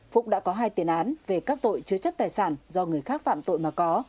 phúc đã có hai tiền án về các tội chứa chấp tài sản do người khác phạm tội mà có